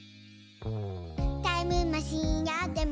「タイムマシンあっても」